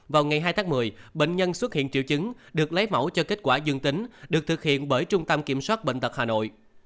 vào ngày hai tháng một mươi bệnh nhân xuất hiện triệu chứng được lấy mẫu cho kết quả dương tính được thực hiện bởi trung tâm kiểm soát bệnh tật hà nội